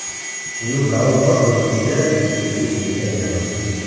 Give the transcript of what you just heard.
Yuba U Muḥ ur yezmir ara ad d-isellek Tiziri Tagawawt.